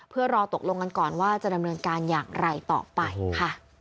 เพื่อรอตกลงกันก่อนว่าจะดำเนินการอย่างไรต่อไปค่ะ